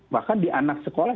bahkan di anak sekolah